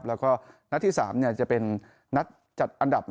แล้วก็นัดที่๓จะเป็นนัดจัดอันดับ